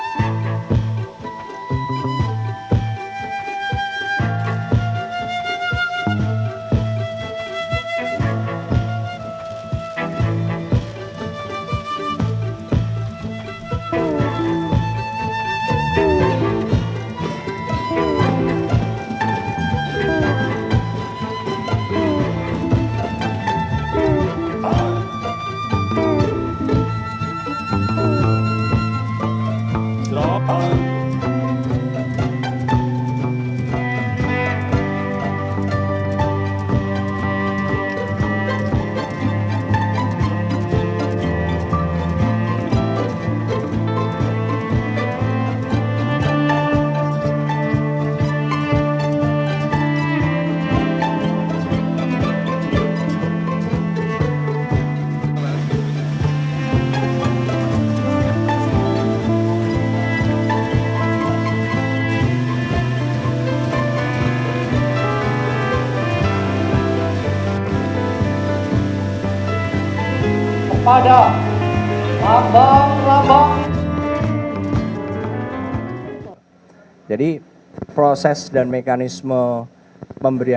sampai jumpa di video selanjutnya